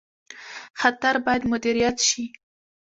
خطر باید مدیریت شي